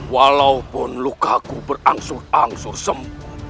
walaupun lukaku berangsur angsur sem